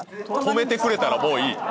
「止めてくれたらもういい」？